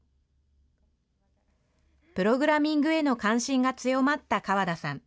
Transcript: プログラミングへの関心が強まった川田さん。